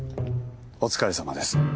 お疲れさまです。